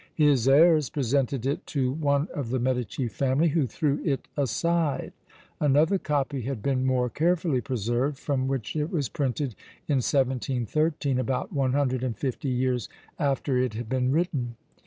His heirs presented it to one of the Medici family, who threw it aside. Another copy had been more carefully preserved, from which it was printed in 1713, about 150 years after it had been written.